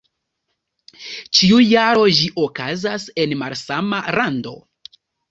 Ĉiu jaro ĝi okazas en malsama lando.